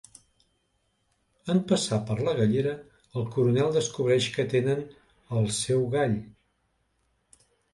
En passar per la gallera el coronel descobreix que tenen el seu gall.